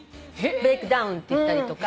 ブレイクダウンって言ったりとか。